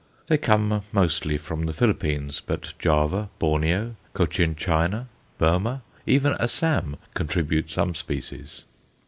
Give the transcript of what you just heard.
They come mostly from the Philippines, but Java, Borneo, Cochin China, Burmah, even Assam contribute some species.